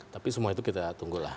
tapi semua itu kita tunggulah